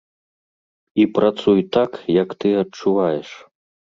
І працуй так, як ты адчуваеш.